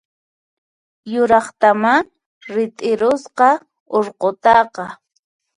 Yuraqtamá rit'irusqa urqutaqa!